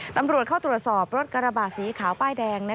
ตำรวจเข้าตรวจสอบรถกระบะสีขาวป้ายแดง